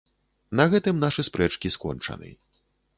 На гэтым нашы спрэчкі скончаны.